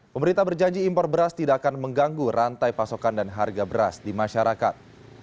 pemerintah berjanji impor beras tidak akan mengganggu rantai pasokan dan harga beras di masyarakat